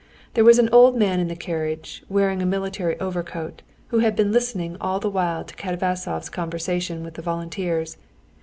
There was an old man in the carriage, wearing a military overcoat, who had been listening all the while to Katavasov's conversation with the volunteers.